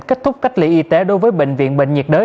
kết thúc cách ly y tế đối với bệnh viện bệnh nhiệt đới